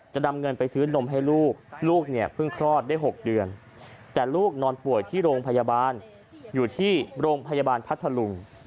จะนำเงินไปซื้อนมให้ลูกลูกเนี่ยเพิ่งคลอดได้๖เดือนแต่ลูกนอนป่วยที่โรงพยาบาลอยู่ที่โรงพยาบาลพัทธลุง